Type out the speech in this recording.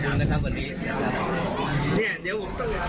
สมบัติการพลังมีชาติรักษ์ได้หรือเปล่า